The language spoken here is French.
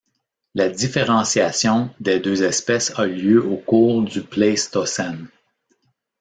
La différenciation des deux espèces a eu lieu au cours du Pléistocène.